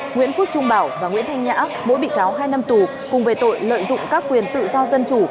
nguyễn phước trung bảo và nguyễn thanh nhã mỗi bị cáo hai năm tù cùng về tội lợi dụng các quyền tự do dân chủ